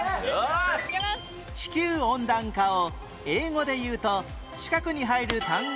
地球温暖化を英語でいうと四角に入る単語は